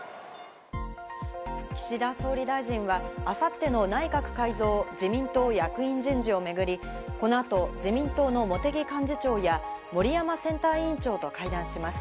岸田総理大臣はあさっての内閣改造・自民党役員人事を巡り、この後、自民党の茂木幹事長や森山選対委員長と会談します。